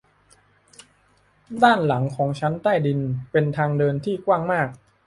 ด้านหลังของชั้นใต้ดินเป็นทางเดินที่กว้างมาก